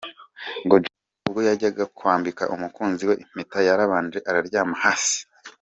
Ngo Junior ubwo yajyaga kwambika umukunzi we impeta yarabanje aryama hasi.